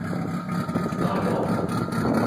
大鑊